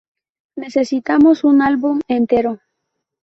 Necesitamos un álbum entero'.